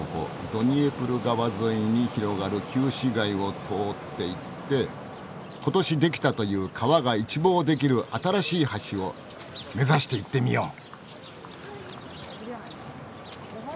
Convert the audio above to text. ドニエプル川沿いに広がる旧市街を通っていって今年出来たという川が一望できる新しい橋を目指して行ってみよう。